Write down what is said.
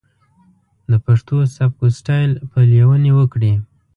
د پښتو سبک و سټايل پليوني وکړي.